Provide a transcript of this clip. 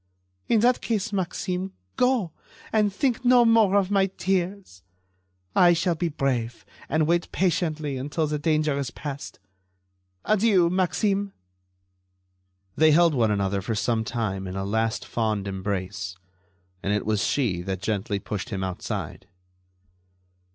"In that case, Maxime, go, and think no more of my tears. I shall be brave, and wait patiently until the danger is past. Adieu, Maxime." They held one another for some time in a last fond embrace. And it was she that gently pushed him outside.